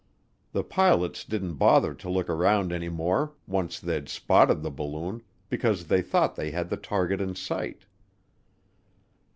The pilots didn't bother to look around any more once they'd spotted the balloon because they thought they had the target in sight.